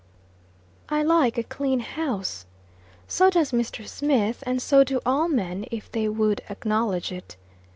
I LIKE a clean house. So does Mr. Smith, and so do all men, if they would acknowledge it.